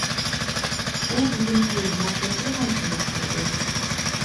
ئۇ بۈگۈن تويدىمۇ بەكلا غەمكىن ئولتۇردى.